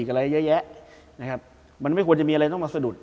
อะไรเยอะแยะนะครับมันไม่ควรจะมีอะไรต้องมาสะดุด